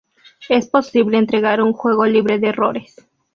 Es posible entregar un juego libre de errores.